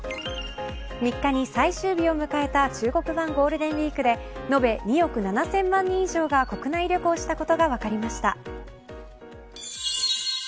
３日に最終日を迎えた中国版ゴールデンウイークで延べ２億７０００万人以上が国内旅行をしたことが分かりました。